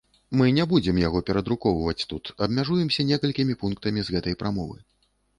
Мы не будзем яго перадрукоўваць тут, абмяжуемся некалькімі пунктамі з гэтай прамовы.